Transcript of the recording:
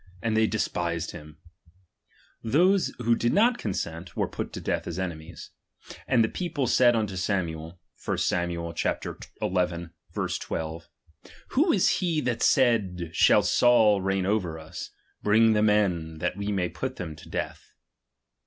And they de spised hint ; those who did not consent, were put to death as enemies. And the people said unto Samuel (1 Sam. xi. 12): Who is he that said, shall Saul reign over us ? Bring the men, that we may put them to death.